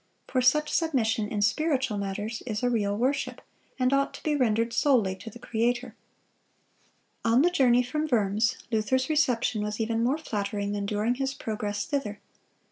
For such submission in spiritual matters is a real worship, and ought to be rendered solely to the Creator."(237) On the journey from Worms, Luther's reception was even more flattering than during his progress thither.